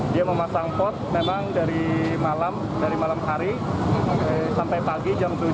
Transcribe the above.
dia memasang pot memang dari malam dari malam hari sampai pagi jam tujuh